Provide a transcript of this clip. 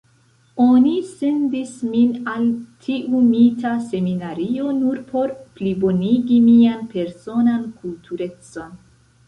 Oni sendis min al tiu mita seminario nur por plibonigi mian personan kulturecon.